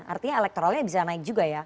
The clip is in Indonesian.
artinya elektoralnya bisa naik juga ya